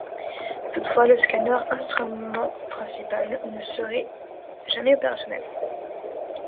Toutefois le scanner, instrument principal, ne sera jamais opérationnel.